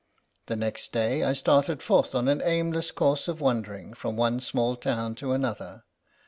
The next day I started forth on an aimless course of wander ing from one small town to another.